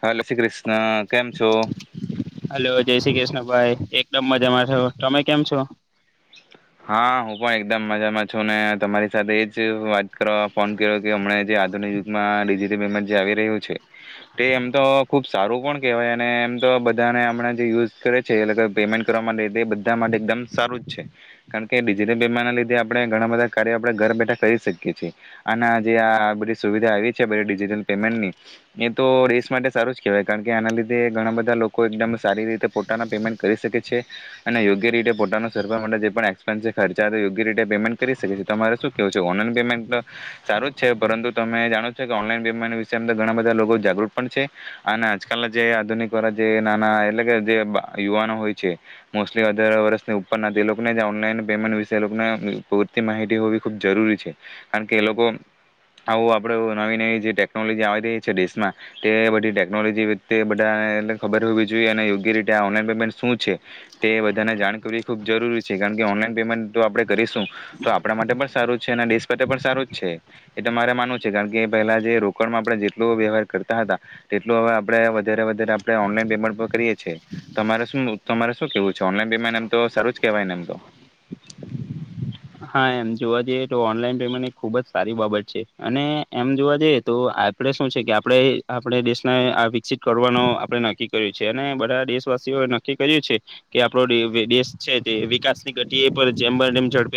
હા જય શ્રી ક્રિષ ન કેમ છો. હલો જય શ્રી કૃષ્ણ ભાઈ એકદમ મજામાં છો તમે કેમ છો. હા હું પણ એકદમ મજામાં છું ને તમારી સાથે એજ વાત કરો ફોન કર્યો કે હમણા જે આધુનિક યુગમાં ડિજિટલ પેમેન્ટ જે આવી રહ્યું છે તે એમ તો ખુબ સારું પણ કેહેવાય અને એમ તો બધાને અમણા જે યુઝ કરે છે એટલે પેમેન્ટ કરવા માટે બધા માટે એકદમ સારું જ છે. કારણ કે ડિજિટલ વીમા ના લીધે આપણે ઘણા બધા કાર્યો આપડે ઘર બેઠા કરી શકીએ છીએ આના જે આ બધી સુવિ છે ડિજિટલ પેમેન્ટની એ તો દેશ માટે સારું છે. કહેવાય કારણ કે આના લીધે ઘણા બધા લોકો એકદમ સારી રીતે પોતાના પેમેન્ટ કરી શકે છે અને યોગ્ય રીતે પોતાનો સર્વર માટે જે પણ જે ખર્ચા યોગ્ય રીતે પેમેન્ટ કરી શકે છે તમારે શું કેવું છે ઓનલાઈન પેમેન્ટ તો સારું જ છે પરંતુ તમે જાણો છો કે ઓનલાઈન પેમેન્ટ વિશે એમ તો ઘણા બધા લોકો જાગૃત પણ છે અને આજકાલના જે આધુનિક વાળા જે નાના એટલે કે જે યુવાનો હોય છે મોસ્ટલી અથાર વર્ષની ઉપરના તે લોકોને ત્યાં ઓન ઓનલાઇન પેમેન્ટ વિશેને લોકો માપૂરતી માહિતી હોવી ખૂબ જરૂરી છે કારણ કે એ લોકો આવું આપડે નવી નવી જે ટેકનોલોજી આવી રહી છે દેશમાં તે બધી ટેકનોલોજી તે બધા ખબર હોવી જોઈએ અને યોગ્ય રીતે ઓનલાઈન પેમેન્ટ શું છે તે બધાને જાણ કરવી ખુબ જરૂરી છે. કારણ કે ઓનલાઈન પેમેન્ટ તો આપણે કરીશું તો આપણા માટે પણ સારું જ છે અને દેશ માટે પણ સારું જ છે એ તમારે માનવું છે કારણ કે પહેલા જે રોકડમાં આપણે જેટલું વ્યવહાર કરતા હતા તેટલું હવે આપણે વધારે વધારે આપણે ઓનલાઈન પેમેન્ટ પર કરીએ છે તમારે શું તમારે શું કેવું છે ઓનલાઈન પેમેન્ટ એમ તો સારું જ કેહેવાય ને એમ તો હા એમ જોવા જઈએ તો ઓનલાઈન પેમેન્ટ એ ખુબ જ સારી બાબત છે અને એમ જોવા જઈએ તો આપડે શું છે કે આપડે આપણે દેશને આ વિકસિત કરવાનું આપણે નક્કી કર્યું છે અને બધા દેશવાસીઓ એ નક્કી કર્યું છે કે આપડો દેશ છે જે વિકાસની ઘતિએ પર જેમ બને તમે જ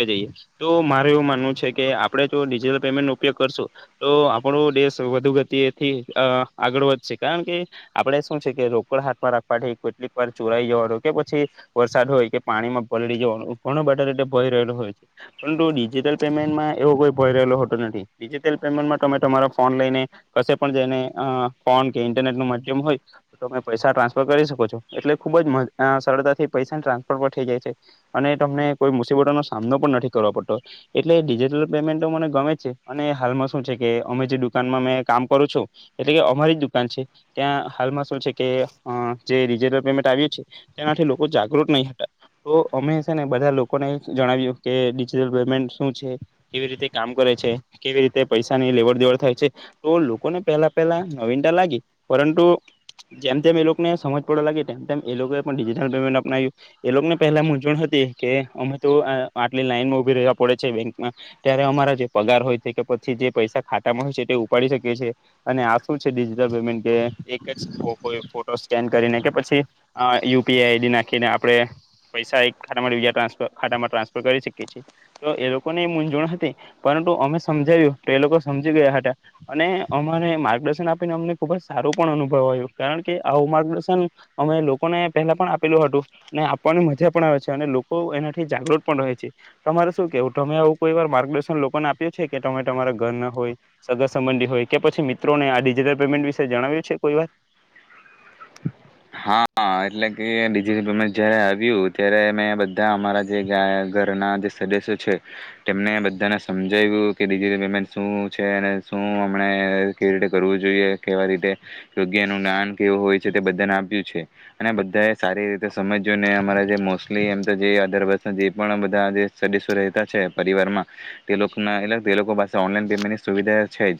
તો મારે એવું માનવું છે કે આપણે જો ડિજિટલ પેમેન્ટનો ઉપયોગ કરશું તો આપણો દેશ વધુ ગતિથી અ આગળ વધશે કારણ કે આપડે શું છે કે રોકડ હાથમાં રાખવાથી કેટલીક વાર ચોરાઈ જવાનું હોય કે પછી વરસાદ હોય કે પાણીમાં પલળી જવાનું ઘણો બધા રીતે ભય રહેલો હોય. પરંતુ ડિજિટલ પેમેન્ટમાં એવો કોઈ ભય રહેલો હતો નથી ડિજિટલ પેમેન્ટમાં તમે તમારા ફોન લઈને કશે પણ જઈને અ ફોન કે ઈન્ટરનેટનું માધ્યમ હોય તમે પૈસા ટ્રાન્સફર કરી શકો છો એટલે ખુબ જ અ સરળતાથી પૈસાનુ ટ્રાન્સફર પર થઇ જાય છે અને તમને કોઈ મુસીબતનો સામનો પણ નથી કરવો પડતો એટલે ડિજિટલ પેમેન્ટ તો મને ગમે છે અને હાલમાં શું છે કે અમે જે દુકાનમાં મે કામ કરું છું એટલે કે અમારી જ દુકાન છે ત્યાં હાલમાં શું છે કે અ જે ડિજિટલ પેમેન્ટ આવ્યું છે તેનાથી લોકો જાગૃત નહીં હતા તો અમે છે ને બધા લોકોને જણાવ્યું કે ડિજિટલ પેમેન્ટ શું છે કેવી રીતે કામ કરે છે કેવી રીતે પૈસાની લેવડ દેવડ થાય છે તો લોકોને પહેલા પહેલા નવીનતા લાગી પરંતુ જેમ જેમ એ લોકોને સમજ પડવા લાગી તેમ તેમ એ લોકોએ પણ ડિજિટલ પેમેન્ટ અપનાવ્યું એ લોકોને પહેલા મૂઝવણ હતી કે અમે તો આટલી લાઈનમાં ઉભી રહેવા પડે છે બેંકમાં ત્યારે અમારા જે પગાર હોય છે કે પછી જે પૈસા ખાતામાં હોય છે તે ઉપાડી શકી છીએ અને આ શું છે ડિજિટલ પેમેન્ટ કે એક જ ફોટો ફોટો સ્કેન કરીને કે પછી યુપીઆઈ આઈડી નાખીને આપણે પૈસા એક ખાતામાં બીજા ટ્રાન્સફર ખાતામાં ટ્રાન્સફર કરી શકીએ છે તો એ લોકોને એ મૂંઝવણ હતી પરંતુ અમે સમજાવ્યું તો એ લોકો સમજી ગયા હતા અને અમારે માર્ગદર્શન આપીને અમને ખુબ જ સારું પણ અનુભવ વાયું કારણ કે આવું માર્ગદર્શન અમે લોકોને પહેલા પણ આપેલું હતું અને આપવાની મજા પણ આવે છે અને લોકો એનાથી થી જાગૃત પણ રહે છે તમારે શું કેવું તમે આવું કોઈ વાર માર્ગદર્શન લોકોને આપ્યું છે કે તમે તમારા ઘરના હોય સગા સંબંધી હોય કે પછી મિત્રોને આ ડિજિટલ પેમેન્ટ વિશે જણાવ્યું છે કોઈ વાર હા એટલે કે ડિજિટલ પેમેન્ટ જયારે આવ્યું ત્યારે મે બધા અમારા જે ઘરના જે સદસ્યો છે તેમને બધાને સમજાવ્યું કે ડિજિટલ પેમેન્ટ શું છે અને શું અમને કેવી રીતે કરવું જોઈએ કેવી રીતે યોગ્યનું જ્ઞાન કેવું હોય છે તે બધાના આપીયુ છે અને બધા એ સારી રીતે સમજયુને અમારા જે મોસ્ટલી એમ તો જે અઢાર વર્ષ જે પણ બધા આજે સદેસો રહેતા છે પરિવારમાં તે લોકના એટલે તે લોકો પાસે ઓનલાઈન પેમેન્ટ ની સુવિધા છે જ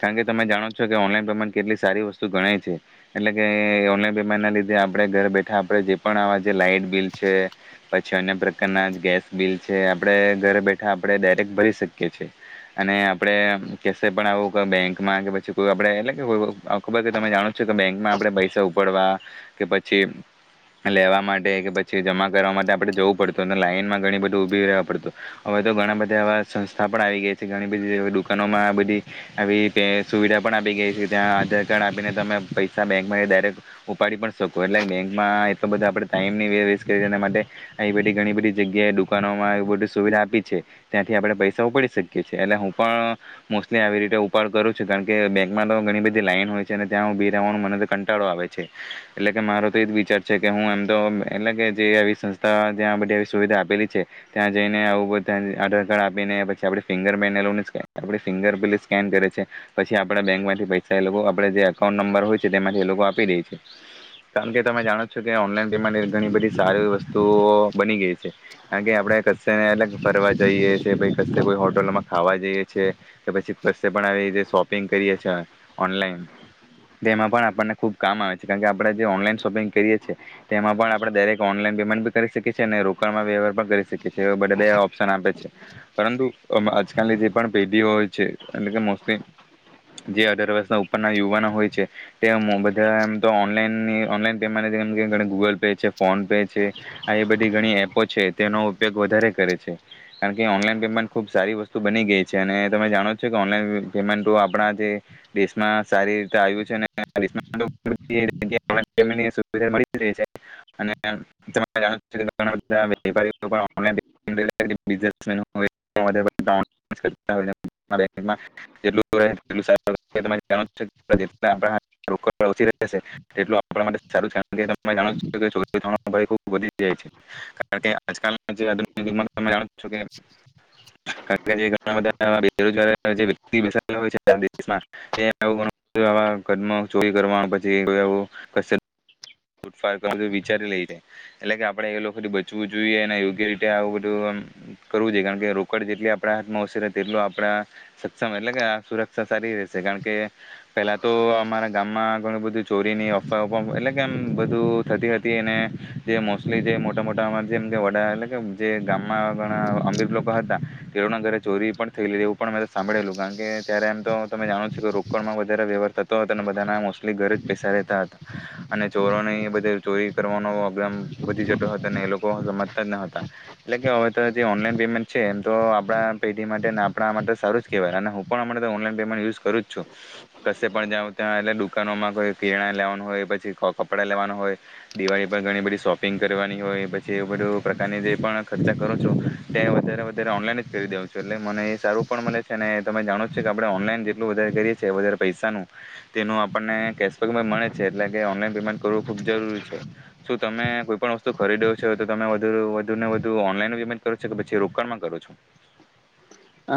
કારણ કે તમે જાણો છો કે ઓનલાઈન પેમેન્ટ કેટલી સારી વસ્તુ ગણાય છે. એટલે કે એ ઓનલાઇન પે મેન્ટ ના લીધે આપળે ઘરે બેઠા આપળે જે પણ આવા જે લાઈટ બિલ છે પછી અન્ય પ્રકારના ગેસ બિલ છે આપળે ઘર બેઠા આપળે ડાયરેક્ટ ભરી શકીએ છે અને આપળે આમ કશે પણ આવું બેંકમાં કે પછી કોઈ આપળે એટલે કેવું આવું ખબર કે તમે જાણો છો કે બેંકમાં આપળે પૈસા ઉપાડવા કે પછી લેવા માટે કે પછી જમા કરવા માટે આપળે જવું પડતું અને લાઈનમાં ઘણી બધું ઉભી રહેવા પડતું હવે તો ઘણા બધા એવા સંસ્થા પણ આવી ગય છે ઘણી બધી દુકાનોમાં આ બધી આવી સુવિધા પણ આપી ગઈ છે ત્યાં આધાર કાર્ડ આપીને તમે પૈસા બેકમાં ડાયરેક ઉપાડી પણ શકું એટલે બેંકમાં એટલો બધા આપળે ટાઈમની વેસ્ટ કરી એના માટે આવી બધી ઘણી બધી જગ્યાએ દુકાનોમાં એ બધું સુવિધા આપી છે ત્યાંથી આપળે પૈસા ઉપાડી શકીએ છે એટલે હું પણ મોસ્ટલી આવી રીતે ઉપાડ કરું છું કારણ કે બેંકમાં તો ઘણી બધી લાઈન હોય છે અને ત્યાં ઉભી રહેવાનું મને તો કંટાળો આવે છે એટલે કે મારો તો એ જ વિચાર છે કે હું એમ તો અમ એટલે કે જે આવી સંસ્થા જ્યાં બધે સુવિધા આપેલી છે ત્યાં જઈને આવું બધુ આધાર કાર્ડ આપીને પછી આપ ફિંગર એ લોકો આપળે ફિંગર પેલી સ્કેન કરે છે પછી આપડા બેંકમાંથી પૈસા એ લોકો આપળે જે અકાઉન્ટ નંબર હોય છે તેમાંથી એ લોકો આપી દે કારણ કે તમે જાણો છો કે ઓનલાઈન પેમેન્ટ એ ઘણી બધી સારી વસ્તુઓ બની ગઈ છે કારણ કે આપળે કંસે એટલે ફરવા જઈએ છે કે કંસે કોઈ હોટલમાં ખાવા જઈએ છે કે પછી કંસે પણ આવી જે શોપિંગ કરીએ છે ઓનલાઈન તેમાં પણ આપણને ખુબ કામ આવે છે કારણ કે આપળે જે ઓનલાઈન શોપિંગ કરીએ તેમાં પણ આપળે ડાયરેક્ટ ઓનલાઈન પેમેન્ટ બી કરી શકીએ છીએ અને રોકણમાં વ્યવહાર પણ કરી શકીએ છે એવા બધા બે ઓપ્શન આપે છે પરંતુ અમ આજકાલની જે પણ પેઢીઓ હોય છે એટલે કે મોસ્ટલી જે અઢાર વર્ષના ઉપરના યુવાનો હોય છે તે અમમો બધા અમ તો ઓનલાઈનની ઓનલાઈન પેમેન્ટમ [unintelligible] કે ગૂગલ પે છે ફોન પે છે આવી એપ બધી ઘણી એપો છે તેનો ઉપયોગ વધારે કરે છે કારણ કે ઓનલાઈન પેમેન્ટ ખૂબ સારી વસ્તુ બની ગઈ છે અને તમે જાણો છો કે ઓનલાઈન પેમેન્ટઓ આપળા જે દેશમાં સારી રીતે આવ્યું છે અને દેશમા તો [unintelligible] [unintelligible] એ જેમકે ઓનલાઇન પેમેન્ટ ની સુવિધા મળી રેય છે અને [unintelligible] [unintelligible] રેસે એટલું આપળા માટે સારું કારણ કે તમે જાણો જ છો કે [unintelligible] ખૂબ વધી ગઈ છે, કારણ કે આજકાલ જે [unintelligible] છો કે [unintelligible] જે ઘણા અ બેરોજગાર વ્યક્તિઓ [unintelligible] દેશમાં તે આવું ઘણું [unintelligible] ચોરી કરવા પછી [unintelligible] કસે [unintelligible] કર વિચારી લઈ જાય એટલે કે આપડે એ લોકોથી બચવું જોઈએ અને યોગ્ય રીતે આવું બધું આમ કરવું જોઈએ, કારણ કે રોકડ જેટલી આપળા હાથમાં ઓછરે તેટલું આપડા સક્ષમ એટલે કે આ સુરક્ષા સારી રશે, કારણ કે પેલા તો અમારા ગામમાં ઘણું બધું ચોરીની અફવા અ એટલે કે કેમ બધું થતી હતી અને જે મોસ્ટલી જે મોટા મોટા અમારા જેમ કે વડા એટલે કે જે ગામમાં ઘણા અમીબ લોકો હતા તેઓના ઘરે ચોરી પણ થઈ લી એવું પણ અમે સાંભળેલું કારણ કે ત્યારે એમ તો તમે જાણો છો કે રોકડમાં વધારે વ્યવહાર થતો હતો અને બધાના મોસ્ટલી ઘરે જ પૈસા રહેતા હતા [unintelligible] અને ચોરોની એ બધે ચોરી કરવાનો એગદામ વધી જટો હતો અને એલોકો સમજતા જ ન હતા, એટલે કે હવે તો જે ઓનલાઈન પેમેન્ટ છે એમ તો આપળા પેઢી માટે ને આપળા માટે સારું જ કેવાય અને હું પણ અમણાં તો ઓનલાઈન પેમેન્ટ યુઝ કરું જ છું, કશે પણ જાઉં ત્યાં એટલે દુકાનોમાં કોઈ કિરણા લેવાનું હોય પછી ખોકપ પડા લેવાનો હોય, દિવાળી પર ઘણી બધી શોપિંગ કરવાની હોય, પછી એવું બધું પ્રકારની જે પણ ખર્ચા કરો છો તે વધારે-વધારે ઓનલાઈન જ કરી દેઉ એટલે મને એ સારું પણ મલે છે અને તમે જાણો જ છો કે આપળે ઓનલાઈન જેટલું વધારે કરીએ છીએ વધારે પૈસાનું તેનું આપણને કેશબેક મળે છે એટલે કે ઓનલાઈન પેમેન્ટ કરવું ખૂબ જરૂરી છે શું તમે કોઈ પણ વસ્તુ ખરીદ્યો છો, તો તમે વધુરુ વધુ ને વધુ ઓનલાઈન પેમેન્ટ કરો છો, કે પછી રોકાણ માં કરો છો?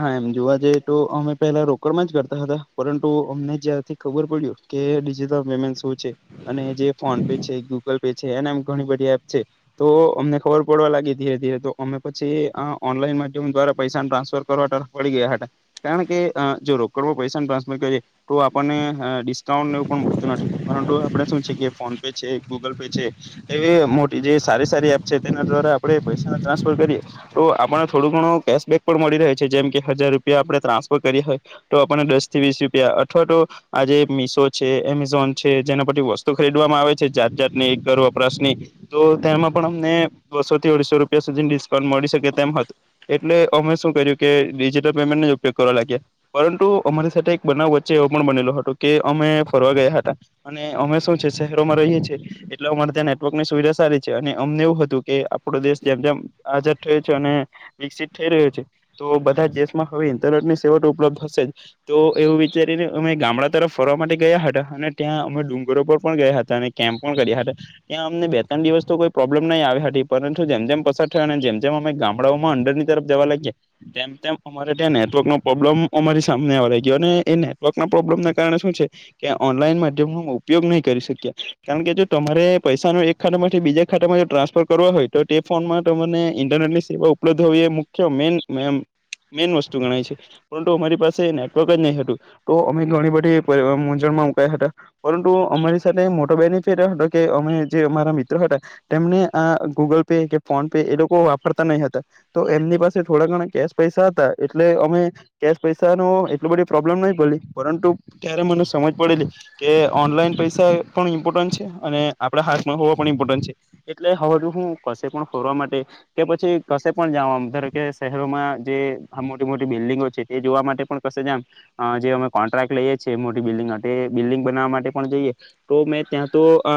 હા એમ જોવા જઈએ તો અમે પેલા રોકડમાં જ કરતા હતા, પરંતુ અમને જ્યારથી ખબર પડ્યિું કે ડિજિટલ પેમેન્ટ શું છે અને જે ફોન પે છે ગૂગલ પે છે એને ઘણી બધી એપ છે, તો અમને ખબર પડવા લાગી ધીરે-ધીરે તો અમે પછી આ ઓનલાઈન માધ્યમ દ્વારા પૈસા ટ્રાન્સફર પરવાર્તા પડી ગયા હતા કારણ કે, અ જો રોકડમાં પૈસા ટ્રાન્સફર કરીએ તો આપણને અ ડિસ્કાઉન્ટ એવું પણ મળતું નથી, પરંતુ આપળે શું છે કે ફોન પે છે ગૂગલ પે છે એવી મોટી જે સારી-સારી એપ છે તેના દ્વારા આપળે પૈસા ટ્રાન્સફર કરીએ તો આપણને થોડું ઘણું કેશબેક પણ મળી રહે છે જેમ હજાર રૂપિયા આપળે ટ્રાન્સફર કરી હોય તો આપણને દસ થી વીસ રૂપિયા અથવા તો આજે મીશો છે એમેઝોન છે જેના પરી વસ્તુ ખરીદવામાં આવે છે જાત-જાત ની ઘર વપરાશની તો તેમાં પણ અમને બસો થી અઢીસો રૂપિયા સુધી ડિસ્કાઉન્ટ મળી શકે તેમ હતું, એટલે અમે શું કર્યું કે ડિજિટલ પેમેન્ટ ન ઉપયોગ કરવા લાગ્યા, પરંતુ અમારી સાથે એક બનાવ વચ્ચે એવો પણ બનેલો હતો કે અમે ફરવા ગયા હતા અને અમે શું છે શહેરોમાં રહીએ છીએ એટલે અમારે ત્યાં નેટવર્કની સુવિધા સારી છે અને અમને એવું હતું કે આપળો દેશ જેમ-જેમ આાજાદ થય છે અને વિકસિત થઈ રહ્યું છે તો બધા દેશમાં હવે ઇન્ટરનેટ ની સેવા ઉપલબ્ધ હશે જ, તો એવું વિચારીને અમે ગામડા તરફ ફરવા માટે ગયા હતા અને ત્યાં અમે ડુંગરો પર પણ ગયા હતા અને કેમ્પ પણ કર્યા હતા, ત્યાં અમને બે ત્રણ દિવસ તો કોઈ પ્રોબ્લેમ નય આવે હતી પરંતુ જેમ-જેમ પસાર થય અને જેમ-જેમ અમે ગામડાઓમાં અંદરની તરફ જવા લાગ્યા તેમ-તેમ અમારે ત્યાં નેટવર્કનો પ્રોબ્લમ અમારી સામેને આવ લાગ્યો ને એ નેટવર્ક ના પ્રોબ્લમના કારણે શું છે કે ઓનલાઈન માધ્યમનો ઉપયોગ નહીં કરી શક્યા, કારણ કે જો તમારે પૈસા ન એક ખાતામાંથી બીજા ખાતામાં ટ્રાન્સફર કરવા હોય તો તે ફોનમાં તમને ઇન્ટરનેટની સેવા ઉપલબ્ધ હોવી એ મુખ્ય મેન મેમ મેન વસ્તુ ગણાય છે, પરંતુ અમારી પાસે નેટવર્ક જ નય હતું તો અમે ઘણી બધી [unintelligible] મૂઝણમાં મુકાયા હતા પરંતુ અમારી સાથે મોટો બેનિફિટ એ હતો કે અમે જે અમારા મિત્ર હતા તેમને આ ગૂગલ પે કે ફોન પે એ લોકો વાપરતા નય હતા તો એમની પાસે થોડા ઘણા કેશ પૈસા હતા એટલે અમે કેશ પૈસા નો એટલ બધો પ્રોબ્લમ નય પડી પરંતુ ક્યારે મને સમજ પડેલી કે ઓનલાઈન પૈસા પણ ઇમ્પોર્ટન્ટ છે અને આપળા હાથમાં હોવા પણ ઇમ્પોર્ટન્ટ છે એટલે હવે તો હું કશે પણ ફરવા માટે કે પછી કશે પણ જાવા આમ દારો કે શહેરોમાં જે આ મોટી-મોટી બિલ્ડિંગો છે તે જોવા માટે પણ કશે જમ જે અમે કોન્ટ્રાક્ટ લઈએ છે મોટી બિલ્ડિંગ માટે એ બિલ્ડિંગ બનાવવા માટે પણ જઈએ તો મેં ત્યાં તો અ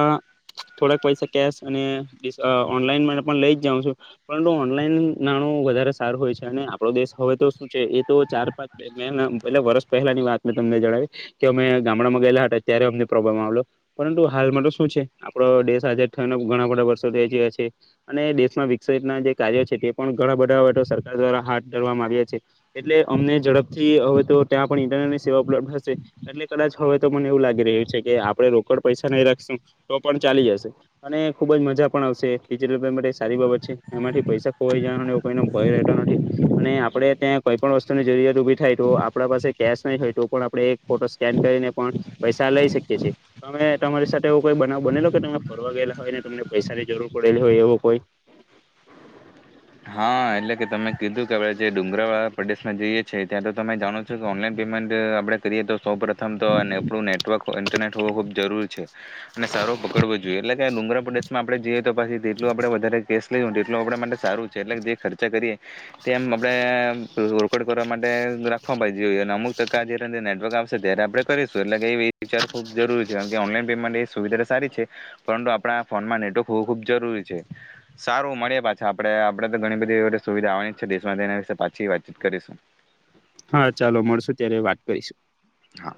થોડાક પૈસા કેશ અને ડીશ અ ઓનલાઈન માટે પણ લઈ જ જાઉં છું પરંતુ ઓનલાઈન નાણું વધારે સારું હોય છે આપળો દેશ હવે તો શું છે એ તો ચાર પાંચ [unintelligible] મેહણા એટલે કે વર્ષ પહેલાની વાત મેં તમને જણાવી કે અમે ગામડામાં ગયેલા હતા ત્યારે અમને પ્રોબ્લેમ આવલો પરંતુ હાલમાં તો શું છે આપડો દેશ આજે [unintelligible] ઘણા બધા વર્ષો થય ગયા છે અને દેશમાં વિકસેતના જે કાર્યો છે તે પણ ઘણા બધા હવે તો સરકાર દ્વારા હાથ ધરવામાં આવ્યા છે એટલે અમને ઝડપથી હવે તો ત્યાં પણ ઇન્ટરનેટની સેવા ઉપલબ્ધ હશે, એટલે કદાચ હવે તો મને એવું લાગી રહ્યું છે કે આપળે રોકડ પૈસા નય રાખશું તો પણ ચાલી જશે અને ખુબ જ મજા પણ આવશે ડિજિટલ પેમેન્ટ એ સારી બાબત છે એમાંથી પૈસા ખોવાઈ જવાનું એઈ કય ભય રે રેતો નથી અને આપળે ત્યાં કઈ પણ વસ્તુની જરૂરિયાત ઉભી થાય તો આપળા પાસે કેશ નય હોય તો પણ આપળે એક ફોટો સ્કેન કરીને પણ પૈસા લઈ શકીએ છે, તમે તમારી સાથે એવ કોઈ બવ બનેલો કે તમે ફરવા ગયેલા હોયને તમને પૈસાની જરૂર પડેલી હોય એવું કોઈ હા એટલે કે તમે કીધું કે હવે જે ડુંગરા વાળા પ્રદેશમાં જઈએ છે ત્યાં તો તમે જાણો છો કે ઓનલાઈન પેમેન્ટ અ આપળે કરીએ તો સૌ પ્રથમ તો અને આપળુ નનેટવર્ક [unintelligible] ઇન્ટરનેટ હોવો ખૂબ જરૂરી છે, [unintelligible] અને સારો પકડવો જોઈએ એટલે કે ડુંગરા પ્રડમાં આપળે જઈએ તો પાછી તેટલું આપળે વધારે કેસ લેઈજુ એટલું આપળા માટે સારું છે એટલે જે ખર્ચા કરીએ [unintelligible] તે એમ આપળે અમે રોકડ કરવા માટે રાખબા જોઈએ અને અમુક ટકા જેના જે નેટવર્ક આવશે ત્યારે આપળે કરીશું એટલે કે એ વિચાર ખૂબ જરૂરી છે કારણ કે ઓનલાઈન પેમેન્ટ એ સુવિધા તો સારી છે, [unintelligible] પરંતુ આપણા ફોનમાં નેટવર્ક હોવું ખૂબ જરૂરી છે, સારું મળ્યે પાછા આપળે આપળે તો ઘણી બધી સુવિધા આવાની છે દેશમાં તેના વિશે પાછી વાતચીત કરીશું હા. ચાલો મળશુ ત્યારે વાત કરીશું. હા.